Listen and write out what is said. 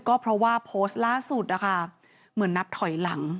ก็เพราะว่าโพสต์ล่าสุดนะคะเหมือนนับถอยหลัง